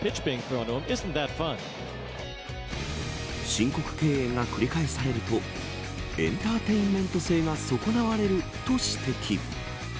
申告敬遠が繰り返されるとエンターテインメント性が損なわれると指摘。